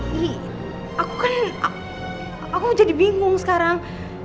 hmm aku kan aku jadi bingung sekarang